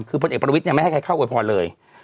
คือพลเอกประวิทย์ไม่ให้ใครเข้าอวยพรเลย